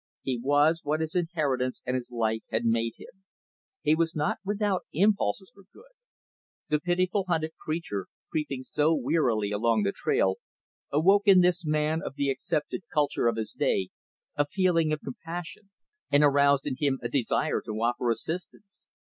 He was what his inheritance and his life had made him. He was not without impulses for good. The pitiful, hunted creature, creeping so wearily along the trail, awoke in this man of the accepted culture of his day a feeling of compassion, and aroused in him a desire to offer assistance.